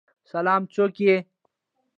سلام، څوک یی؟